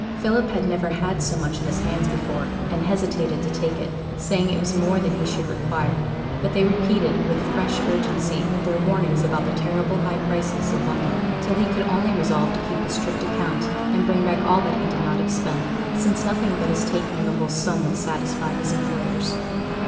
Philip had never had so much in his hands before, and hesitated to take it, saying it was more than he should require; but they repeated, with fresh urgency, their warnings about the terrible high prices of London, till he could only resolve to keep a strict account, and bring back all that he did not expend, since nothing but his taking the whole sum would satisfy his employers.